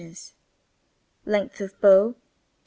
Length of bow, 28.